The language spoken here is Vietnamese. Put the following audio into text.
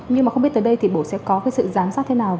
nhưng mà không biết tới đây thì bộ sẽ có cái sự giám sát thế này không